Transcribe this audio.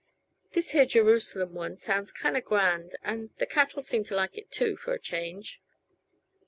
This here Jerusalem one sounds kinda grand, and the cattle seems to like it, too, for a change."